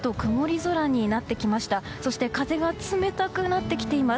そして風が冷たくなってきています。